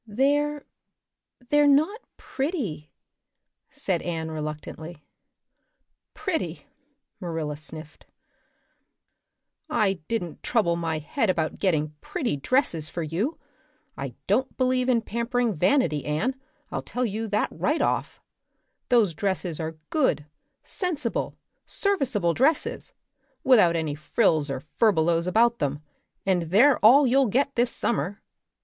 "They're they're not pretty," said Anne reluctantly. "Pretty!" Marilla sniffed. "I didn't trouble my head about getting pretty dresses for you. I don't believe in pampering vanity, Anne, I'll tell you that right off. Those dresses are good, sensible, serviceable dresses, without any frills or furbelows about them, and they're all you'll get this summer.